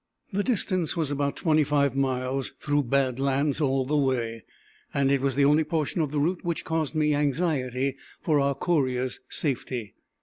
The distance was about 25 miles, through bad lands all the way, and it was the only portion of the route which caused me anxiety for our courier's safety.